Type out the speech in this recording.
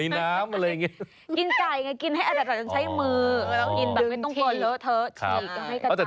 อันนั้นคุณไปดูใครมา